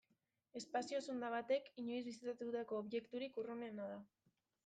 Espazio zunda batek inoiz bisitatutako objekturik urrunena da.